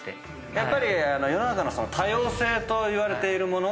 やっぱり世の中の多様性といわれているもの？